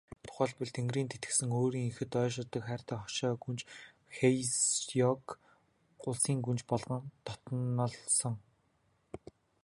Тухайлбал, Тэнгэрийн тэтгэсэн өөрийн ихэд ойшоодог хайртай хошой гүнж Хэсяог улсын гүнж болгон дотнолсон.